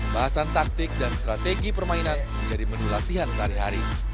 bahasan taktik dan strategi permainan menjadi menu latihan sehari hari